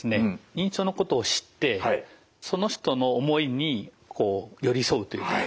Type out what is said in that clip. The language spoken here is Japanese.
認知症のことを知ってその人の思いにこう寄り添うというか理解すると。